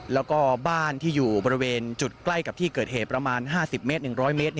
แล้วก็บ้านที่อยู่บริเวณจุดใกล้กับที่เกิดเหตุประมาณ๕๐เมตร๑๐๐เมตร